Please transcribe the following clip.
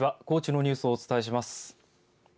高知のニュースをお伝えします。